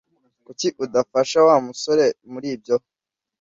Kuki udafasha Wa musore muri ibyo?